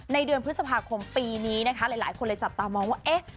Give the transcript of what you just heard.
เดือนพฤษภาคมปีนี้นะคะหลายคนเลยจับตามองว่าเอ๊ะ